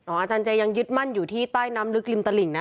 อาจารย์เจยังยึดมั่นอยู่ที่ใต้น้ำลึกริมตลิ่งนะ